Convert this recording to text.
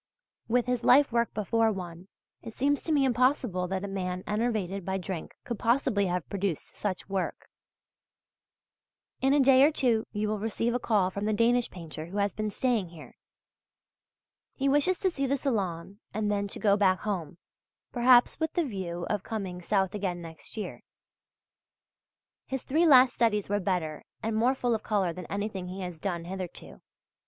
With his life work before one, it seems to me impossible that a man enervated by drink could possibly have produced such work. In a day or two you will receive a call from the Danish painter who has been staying here. He wishes to see the Salon and then to go back home, perhaps with the view of coming South again next year. His three last studies were better and more full of colour than anything he has done hitherto.